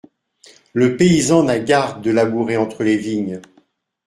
Le paysan n'a garde de labourer entre les vignes.